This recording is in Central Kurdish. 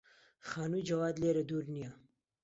خانووی جەواد لێرە دوور نییە.